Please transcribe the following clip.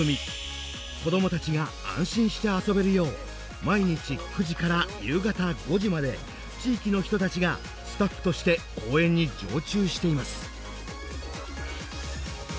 子どもたちが安心して遊べるよう毎日９時から夕方５時まで地域の人たちがスタッフとして公園に常駐しています。